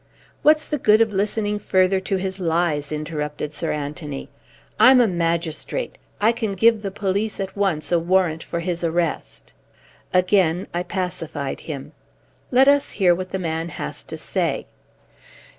"What's the good of listening further to his lies?" interrupted Sir Anthony. "I'm a magistrate. I can give the police at once a warrant for his arrest." Again I pacified him. "Let us hear what the man has to say."